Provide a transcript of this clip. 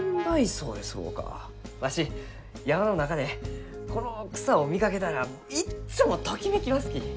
わし山の中でこの草を見かけたらいっつもときめきますき！